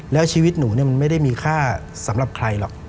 แล้วชีวิตหนูมันไม่ได้มีค่าสำหรับใครหรอก